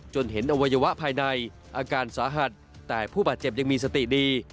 เห็นอวัยวะภายในอาการสาหัสแต่ผู้บาดเจ็บยังมีสติดี